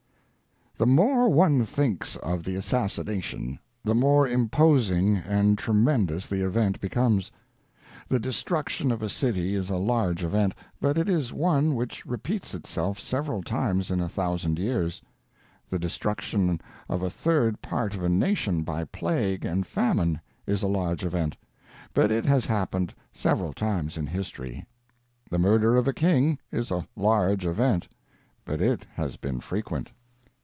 The more one thinks of the assassination, the more imposing and tremendous the event becomes. The destruction of a city is a large event, but it is one which repeats itself several times in a thousand years; the destruction of a third part of a nation by plague and famine is a large event, but it has happened several times in history; the murder of a king is a large event, but it has been frequent.